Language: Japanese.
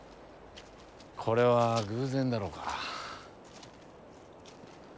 これは偶然だろうか？